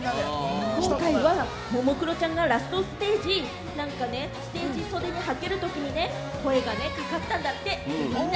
今回はももクロちゃんがステージ袖にはけるときに声がかかったんだって。